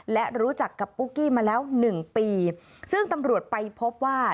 และรู้จักกับปุ๊กกี้มาแล้วหนึ่งปีซึ่งตำรวจไปพบว่า